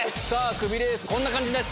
クビレースこんな感じです。